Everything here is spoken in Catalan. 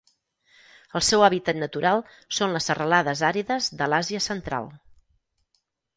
El seu hàbitat natural són les serralades àrides de l'Àsia Central.